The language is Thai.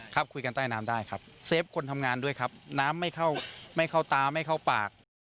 คุยกันใต้น้ำได้ครับเซฟคนทำงานด้วยครับน้ำไม่เข้าไม่เข้าตาไม่เข้าปาก